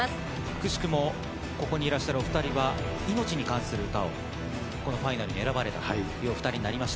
くしくもここにいらっしゃるお２人は命に関する歌をファイナルに選ばれたという。